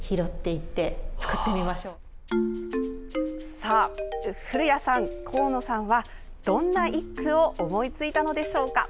さあ、古谷さん神野さんは、どんな一句を思いついたのでしょうか。